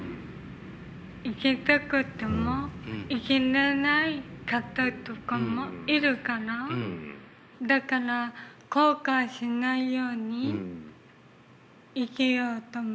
生きたくっても生きれない方とかもいるからだから後悔しないように生きようと思っています。